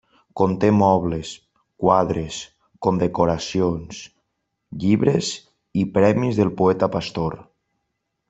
Conté mobles, quadres, condecoracions, llibres i premis del poeta Pastor.